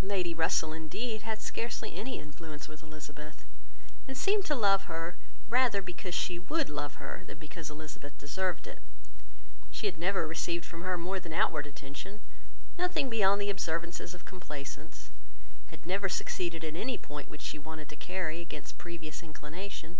Lady Russell, indeed, had scarcely any influence with Elizabeth, and seemed to love her, rather because she would love her, than because Elizabeth deserved it. She had never received from her more than outward attention, nothing beyond the observances of complaisance; had never succeeded in any point which she wanted to carry, against previous inclination.